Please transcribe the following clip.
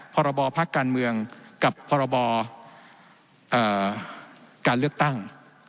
พรบพักการเมืองกับพรบการเลือกตั้ง